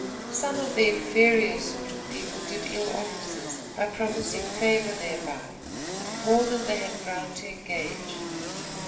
Some of the inferior sort of people did ill offices, by promising favor thereby, more than they had ground to engage.